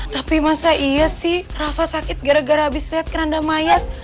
tapi masa iya sih rafa sakit gara gara habis lihat keranda mayat